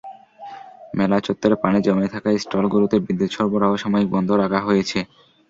মেলা চত্বরে পানি জমে থাকায় স্টলগুলোতে বিদ্যুৎ সরবরাহ সাময়িক বন্ধ রাখা হয়েছে।